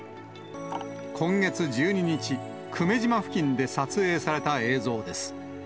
今月１２日、久米島付近で撮影された映像です。